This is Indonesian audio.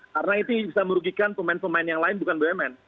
karena itu bisa merugikan pemain pemain yang lain bukan bumn